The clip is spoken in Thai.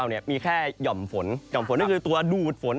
ฝนที่เข้ามามือร์เทล